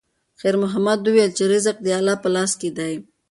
خیر محمد وویل چې رزق د الله په لاس کې دی.